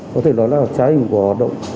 có thể nói là trái hình của hoạt động